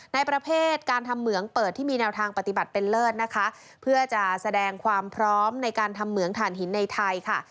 ในประเภทการทำเหมืองเปิดที่มีแนวทางปฏิบัติเป็นเลิศนะคะเพื่อจะแสดงความพร้อมในการทำเหมืองฐานหินในไทยค่ะ